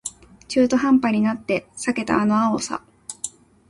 中途半端になって避けたあの青さ